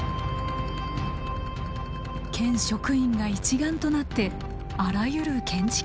県職員が一丸となってあらゆる建築法を調べ上げた。